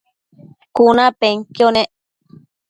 cunapenquio nec